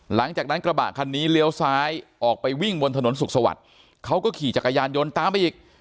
กระบะคันนี้เลี้ยวซ้ายออกไปวิ่งบนถนนสุขสวัสดิ์เขาก็ขี่จักรยานยนต์ตามไปอีก